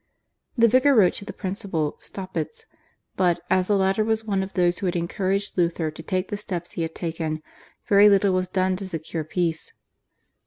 The vicar wrote to the principal, Staupitz, but, as the latter was one of those who had encouraged Luther to take the steps he had taken, very little was done to secure peace.